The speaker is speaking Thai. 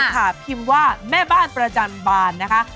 พิมพ์ว่าแม่บ้านประจันบานนะคะ